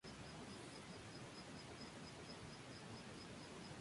Habitan en áreas abiertas y planas.